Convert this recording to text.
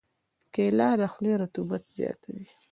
کېله د خولې رطوبت زیاتوي.